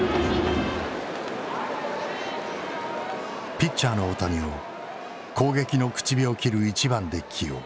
ピッチャーの大谷を攻撃の口火を切る１番で起用。